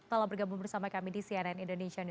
telah bergabung bersama kami di siania